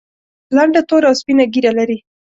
لنډه توره او سپینه ږیره لري.